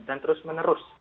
dan terus menerus